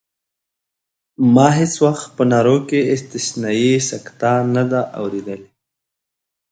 ما هېڅ وخت په نارو کې استثنایي سکته نه ده اورېدلې.